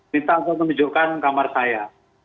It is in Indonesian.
minta untuk menunjukkan kamar saya